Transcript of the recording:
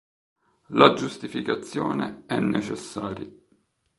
La giustificazione è necessaria.